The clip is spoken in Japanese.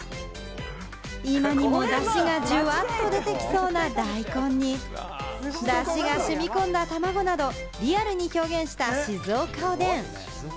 今にもだしがジュワッと出てきそうな大根にだしが染み込んだ卵など、リアルに表現した静岡おでん。